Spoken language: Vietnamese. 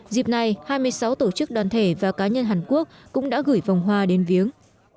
dịp này hai mươi sáu tổ chức đoàn thể và cá nhân hàn quốc cũng đã gửi vòng hoa đến viếng